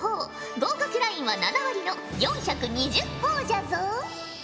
合格ラインは７割の４２０ほぉじゃぞ。